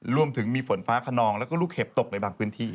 รวมถึงมีฝนฟ้าขนองแล้วก็ลูกเห็บตกในบางพื้นที่